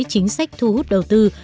chính sách thu hút đầu tư